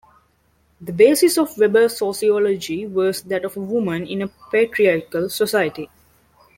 The basis of Weber's sociology was that of a woman in a patriarchal society.